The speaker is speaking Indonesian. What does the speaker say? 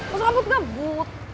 masa rambut gak bu